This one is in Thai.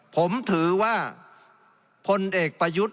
ผมถือว่าพลเอกประยุทธ์